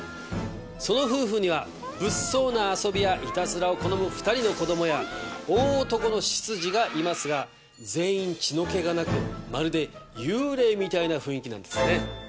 その夫婦には物騒な遊びやいたずらを好む２人の子供や大男の執事がいますが全員血の気がなくまるで幽霊みたいな雰囲気なんですね。